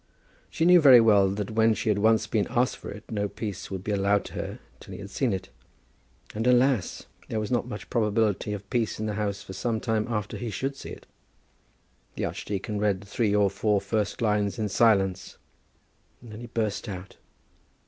She knew very well that when she had once been asked for it, no peace would be allowed to her till he had seen it. And, alas! there was not much probability of peace in the house for some time after he should see it. The archdeacon read the three or four first lines in silence, and then he burst out.